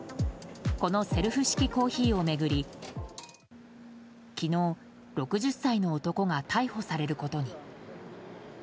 このセルフ式コーヒーを巡り昨日、６０歳の男が逮捕されることに。